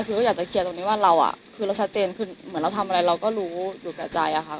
คือก็อยากจะเคลียร์ตรงนี้ว่าเราคือเราชัดเจนคือเหมือนเราทำอะไรเราก็รู้อยู่กับใจอะค่ะ